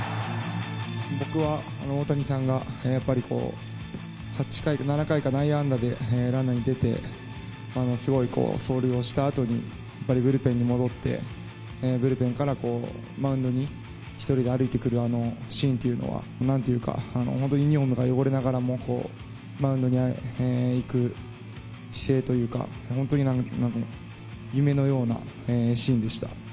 僕は、大谷さんがやっぱり、８回、７回かで内野安打でランナーに出て、すごい走塁をしたあとに、ブルペンに戻って、ブルペンからこう、マウンドに１人で歩いてくるあのシーンっていうのは、なんて言うか、本当にユニホームが汚れながらも、マウンドに行く姿勢というか、本当に夢のようなシーンでした。